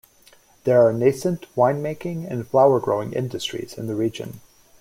There are nascent wine-making and flower-growing industries in the region.